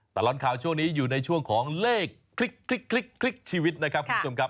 ตลอดข่าวช่วงนี้อยู่ในช่วงของเลขคลิกชีวิตนะครับคุณผู้ชมครับ